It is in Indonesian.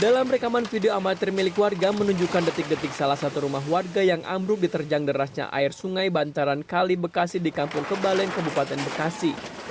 dalam rekaman video amatir milik warga menunjukkan detik detik salah satu rumah warga yang ambruk diterjang derasnya air sungai bantaran kali bekasi di kampung kebalen kabupaten bekasi